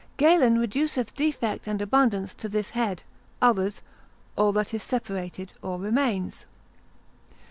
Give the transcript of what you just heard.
Galen reduceth defect and abundance to this head; others All that is separated, or remains.